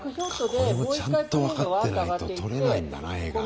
これもちゃんと分かってないと撮れないんだな画が。